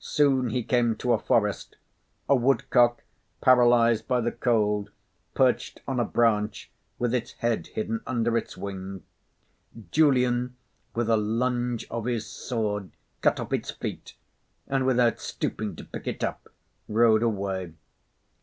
Soon he came to a forest. A woodcock, paralysed by the cold, perched on a branch, with its head hidden under its wing. Julian, with a lunge of his sword, cut off its feet, and without stopping to pick it up, rode away.